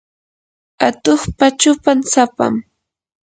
atuqpa chupan sapam.